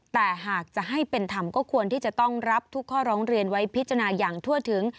แต่หากจะให้เป็นธรรมก็ควรที่จะต้องรับทุกข้อร้องเรียนไว้พิจารณาอย่างทั่วถึง